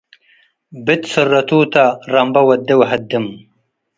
ብት ስረቱተ ረምበ ወዴ ወሀድም